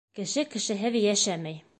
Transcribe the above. Кеше кешеһеҙ йәшәмәй.